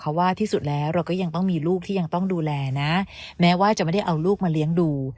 เพราะว่าที่สุดแล้วเราก็ยังต้องมีลูกที่ยังต้องดูแลนะแม้ว่าจะไม่ได้เอาลูกมาเลี้ยงดู